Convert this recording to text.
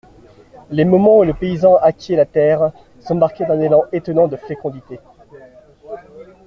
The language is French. Les moments où le paysan acquiert la terre, sont marqués d'un élan étonnant de fécondité.